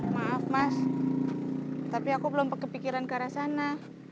maaf mas tapi aku belum kepikiran ke arah sana